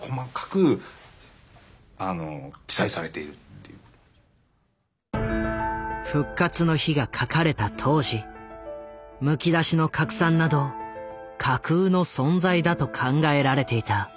そういった意味でこれは「復活の日」が書かれた当時「むきだしの核酸」など架空の存在だと考えられていた。